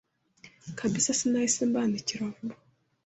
kabisa sinahise mbandikira vuba